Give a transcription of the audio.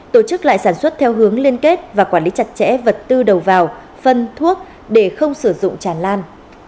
tổ chức lại sản xuất theo hướng liên kết và quản lý chặt chẽ vật tư đầu vào phân thuốc để không sử dụng tràn lan